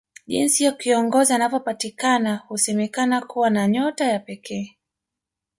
Jinsi kiongozi anavyopatikana husemakana kuwa na nyota ya pekee